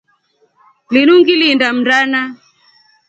Linu ngilinda Mndana.